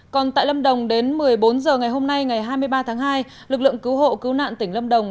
còn tại lâm đồng đến một mươi bốn h ngày hôm nay ngày hai mươi ba tháng hai lực lượng cứu hộ cứu nạn tỉnh lâm đồng